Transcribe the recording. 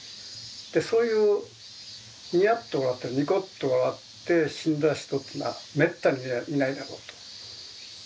でそういうニヤッと笑ったりニコッと笑って死んだ人っていうのはめったにいないだろうと。